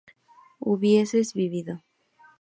hubieses vivido